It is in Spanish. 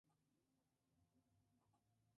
Danny Smith hace una pequeña aparición.